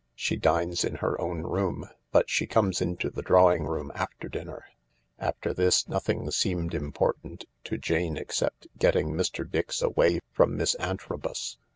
"She dines in her own room, but she comes into the drawing room after dinner." After this nothing seemed important to Jane except getting Mr. Dix away from Miss Antrobus.